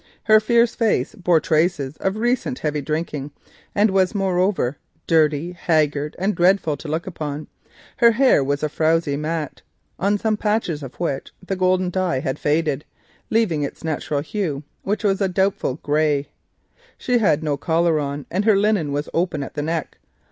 Her fierce face bore traces of recent heavy drinking and was moreover dirty, haggard and dreadful to look upon; her hair was a frowsy mat, on some patches of which the golden dye had faded, leaving it its natural hue of doubtful grey. She wore no collar and her linen was open at the neck.